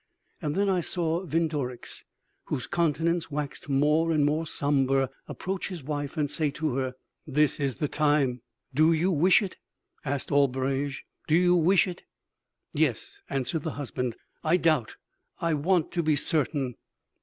I then saw Vindorix, whose countenance waxed more and more somber, approach his wife and say to her: "'This is the time.' "'Do you wish it?' asked Albrege. 'Do you wish it?' "'Yes,' answered the husband; 'I doubt I want to be certain.'